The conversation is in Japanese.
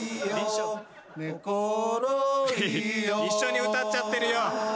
一緒に歌っちゃってるよ。